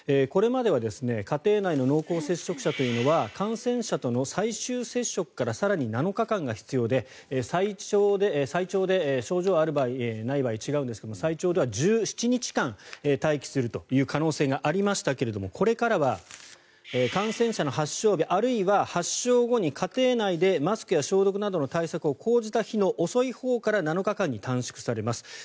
これまでは家庭内の濃厚接触者というのは感染者との最終接触から更に７日間が必要で最長で症状がある場合とない場合で違うんですが最長では１７日間待機するという可能性がありましたがこれからは感染者の発症日あるいは発症後に家庭内でマスクや消毒などの対策を講じた日の遅いほうから７日間に短縮されます。